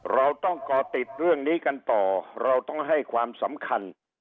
เราต้องก่อติดเรื่องนี้กันต่อเราต้องให้ความสำคัญ